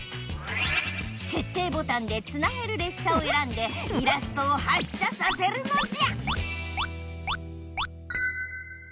決定ボタンでつなげるれっしゃをえらんでイラストを発車させるのじゃ！